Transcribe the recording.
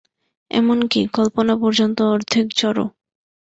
এমন কি, কল্পনা পর্যন্ত অর্ধেক জড়।